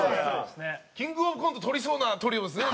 すごい！キングオブコントとりそうなトリオですね。